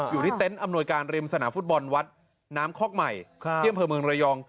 เต็นต์อำนวยการริมสนามฟุตบอลวัดน้ำคอกใหม่ที่อำเภอเมืองระยอง